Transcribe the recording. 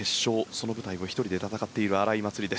その舞台を１人で戦っている荒井祭里。